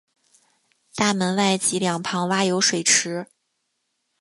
大门外及两旁挖有水池。